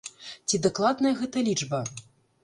Ці дакладная гэта лічба?